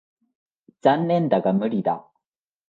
残念だが無理だ。